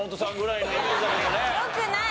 よくない！